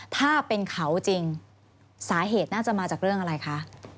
ถ้าเป็นเขาจริงสาเหตุน่าจะมาจากเรื่องอะไรคะ